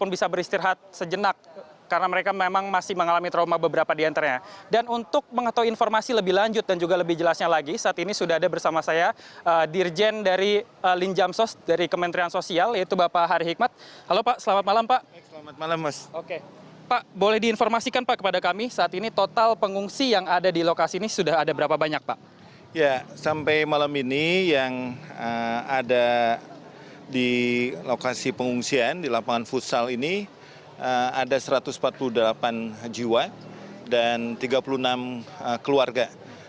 bersama saya ratu nabila